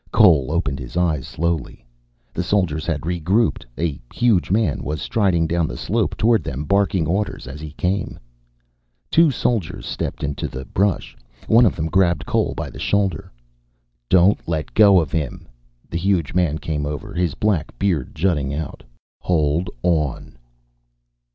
Cole opened his eyes slowly. The soldiers had regrouped. A huge man was striding down the slope toward them, barking orders as he came. Two soldiers stepped into the brush. One of them grabbed Cole by the shoulder. "Don't let go of him." The huge man came over, his black beard jutting out. "Hold on."